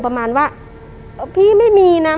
ประมาณว่าพี่ไม่มีนะ